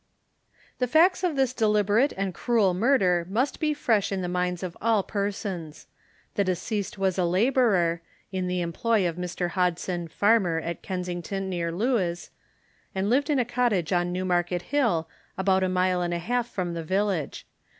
The facts of this deliberate and cruel murder must be fresh in the minds of all persons. The deceased was a labourer (in the employ of Mr Hodson, farmer, at Kingston, near Lewes), and lived in a cottage on Newmarket Hill, about a mile and a half from the village.